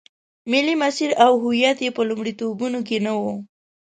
ملي مسیر او هویت یې په لومړیتوبونو کې نه و.